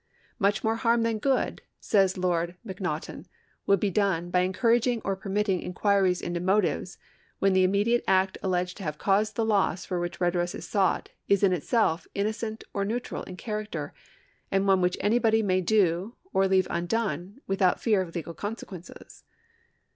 " Much more harm than good," says Lord Macnaghten,^ " would be done by en couraging or permitting inquiries into motives when the immediate act alleged to have caused the loss for which redress is sought is in itself in nocent or neutral in character and one which anybody may do or leave undone without fear of legal consequences.